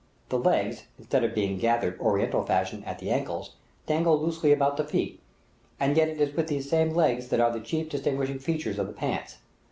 The legs, instead of being gathered, Oriental fashion, at the ankles, dangle loosely about the feet; and yet it is these same legs that are the chief distinguishing feature of the pants.